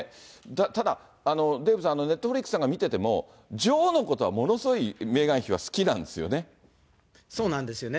ただ、デーブさん、ネットフリックスなんか見てても、女王のことはものすごいメーガン妃は好きなんですよね。